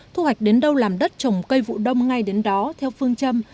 thu hoạch đến đâu làm đất trồng cây vụ đông ngay đến đó theo phương châm